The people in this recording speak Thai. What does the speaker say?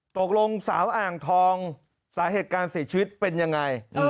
ตกลงสาวอ่างทองสาเหตุการเสียชีวิตเป็นยังไง